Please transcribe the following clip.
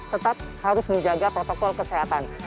tetap harus menjaga protokol kesehatan